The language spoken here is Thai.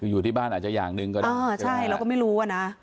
อยู่ที่บ้านอาจจะอย่างหนึ่งก็อรรยาใช่แล้วก็ไม่รู้นะ